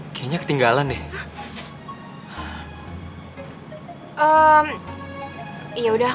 usternya cek nggak pernah ketawa ketawa lupa jelasin